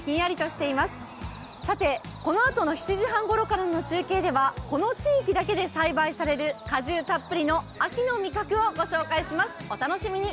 さて、このあとの７時半ごろからの中継ではこの地域だけで栽培される果汁たっぷりの秋の味覚をご紹介します。